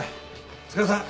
お疲れさん。